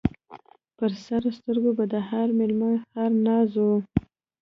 پر سر سترګو به د هر مېلمه هر ناز و